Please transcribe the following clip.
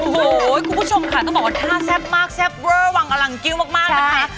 โอ้โหคุณผู้ชมค่ะต้องบอกว่าท่าแซ่บมากแซ่บเวอร์วังอลังกิ้วมากนะคะ